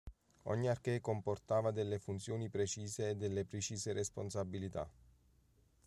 Ogni archè comportava delle funzioni precise e delle precise responsabilità.